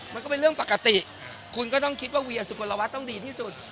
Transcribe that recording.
มันก็เป็นเรื่องปกติคุณก็ต้องคิดว่าเวียสุกลวัฒน์ต้องดีที่สุด